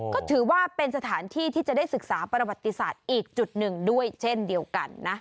ก็ถือว่าเป็นสถานที่ที่จะได้ศึกษาประวัติศาสตร์อีกจุดหนึ่งด้วยเช่นเดียวกันนะ